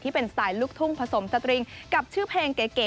เป็นสไตล์ลูกทุ่งผสมสตริงกับชื่อเพลงเก๋